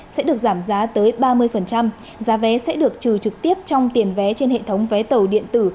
sẽ được giảm giá tới ba mươi giá vé sẽ được trừ trực tiếp trong tiền vé trên hệ thống vé tàu điện tử